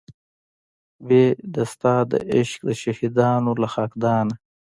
بې د ستا د عشق د شهیدانو له خاکدانه